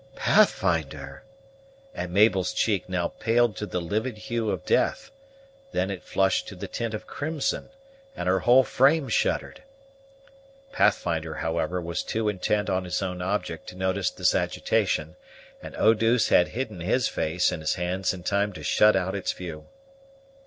"Pathfinder!" and Mabel's cheek now paled to the livid hue of death; then it flushed to the tint of crimson; and her whole frame shuddered. Pathfinder, however, was too intent on his own object to notice this agitation; and Eau douce had hidden his face in his hands in time to shut out its view.